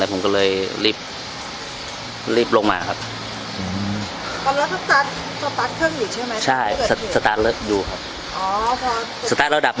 และอันดับสุดท้ายประเทศอเมริกา